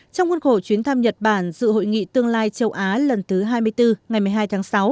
trong nguồn khổ chuyến thăm nhật bản dự hội nghị tương lai châu á lần thứ hai mươi bốn ngày một mươi hai tháng sáu